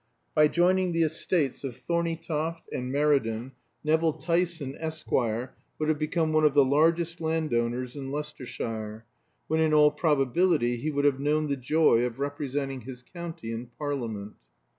By joining the estates of Thorneytoft and Meriden, Nevill Tyson, Esquire, would have become one of the largest land owners in Leicestershire, when in all probability he would have known the joy of representing his county in Parliament.